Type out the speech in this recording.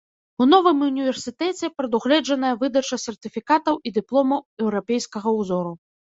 У новым універсітэце прадугледжаная выдача сертыфікатаў і дыпломаў еўрапейскага ўзору.